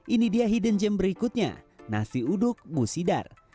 ini dia hidden gem berikutnya nasi uduk musidar